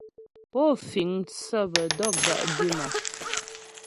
Pó fíŋ mtsə́ bə dɔ̀k dá' gwím a ?